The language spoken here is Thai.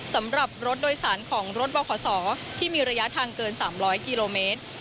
สำหรับรถโดยสารของรถบขศที่มีระยะทางเกิน๓๐๐กิโลเมตร